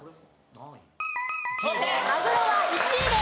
マグロは１位です。